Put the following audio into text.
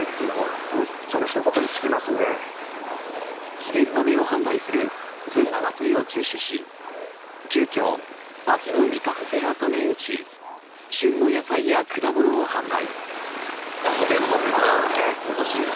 秘伝豆を販売するずんだまつりを中止し急きょ、秋の味覚フェアと銘打ち旬の野菜や果物を販売。